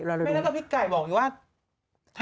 ไม่น่าจะพี่ไก่บอกอยู่ว่า